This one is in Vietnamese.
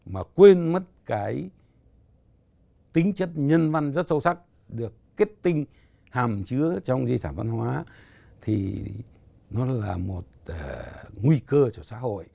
mà quên mất cái tính chất nhân văn rất sâu sắc được kết tinh hàm chứa trong di sản văn hóa thì nó là một nguy cơ cho xã hội